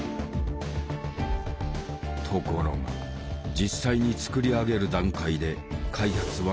ところが実際に作り上げる段階で開発は難航する。